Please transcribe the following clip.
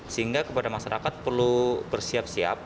sehingga kepada masyarakat perlu bersiap siap